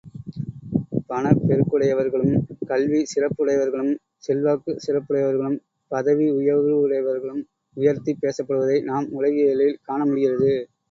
பணப்பெருக்குடையவர்களும், கல்விச் சிறப்புடையவர்களும் செல்வாக்குச் சிறப்புடையவர்களும் பதவியுயர்வுடையவர்களும் உயர்த்திப் பேசப்படுவதை நாம் உலகியலில் காணமுடிகிறது.